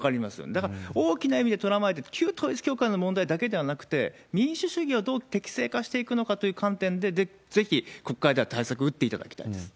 だから、大きな意味でとらまえて、旧統一教会の問題だけではなくて、民主主義をどう適正化していくのかという観点で、ぜひ国会では対策打っていただきたいです。